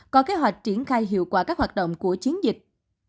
có kế hoạch triển khai hiệu quả các hoạt động của chiến dịch